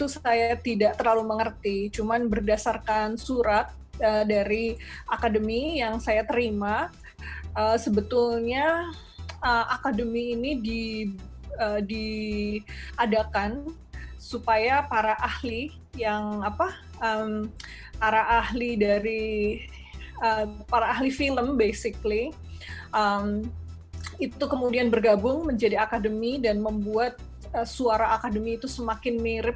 saya tidak terlalu mengerti cuman berdasarkan surat dari akademi yang saya terima sebetulnya akademi ini diadakan supaya para ahli yang apa para ahli dari para ahli film basically itu kemudian bergabung menjadi akademi dan membuat suara akademi itu semakin mirip